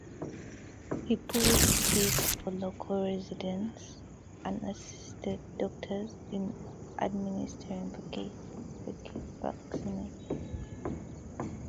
He pulled teeth for local residents and assisted doctors in administering vaccinations.